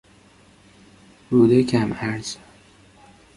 رود کم عرض